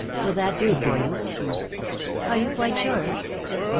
Will that do for you ?" "Are you quite sure?"